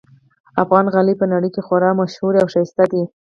افغان غالۍ په نړۍ کې خورا ممشهوري اوښایسته دي